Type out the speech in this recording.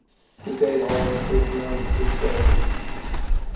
He gave all of his money to charities.